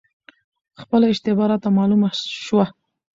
خپله اشتباه راته معلومه شوه،